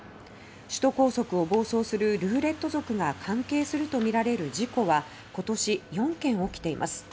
首都高速を暴走するルーレット族が関係すると見られる事故は今年、４件起きています。